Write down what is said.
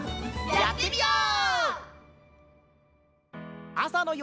やってみよう！